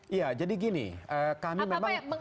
iya jadi gini kami memang